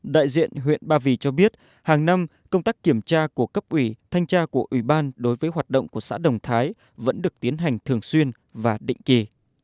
đại diện huyện ba vì cho biết hàng năm công tác kiểm tra của cấp ủy thanh tra của ủy ban đối với hoạt động của xã đồng thái vẫn được tiến hành thường xuyên và định kỳ